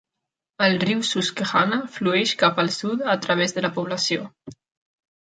El riu Susquehanna flueix cap al sud a través de la població.